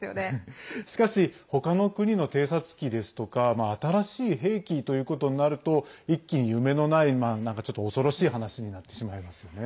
しかし、ほかの国の偵察機ですとか新しい兵器ということになると一気に夢のない、なんかちょっと恐ろしい話になってしまいますね。